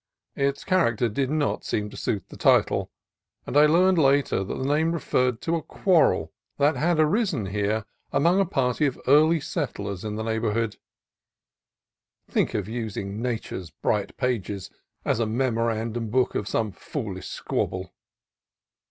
Its character did not seem to suit the title, and I learned later that the name referred to a quarrel that had arisen here among a party of the early settlers in the neighbor TRINIDAD BAY 299 hood. Think of using Nature's bright pages as a memorandum book of some foolish squabble!